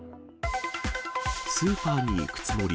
スーパーに行くつもり。